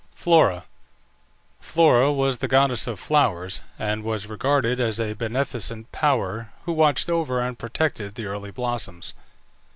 FLORA. Flora was the goddess of flowers, and was regarded as a beneficent power, who watched over and protected the early blossoms.